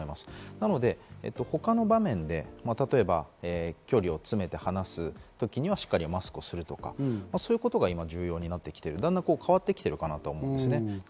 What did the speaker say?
なので他の場面で、例えば距離を詰めて話す時にはしっかりマスクをするとか、そういうことが今、重要になってきてる、だんだん変わってきてるのかなと思います。